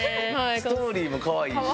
ストーリーもかわいいし。